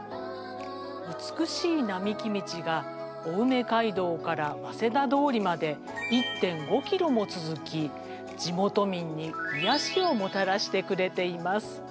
美しい並木道が青梅街道から早稲田通りまで１．５ｋｍも続き地元民にいやしをもたらしてくれています。